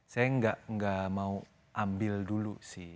saya nggak mau ambil dulu sih